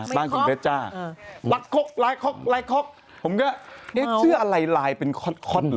ลาคอสเผ็ดเจ้าบอกลาคอส